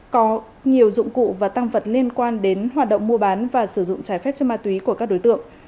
có nhiều dụng cụ và tăng vật liên quan đến hoạt động mua bán và sử dụng trái phép chất ma túy của các đối tượng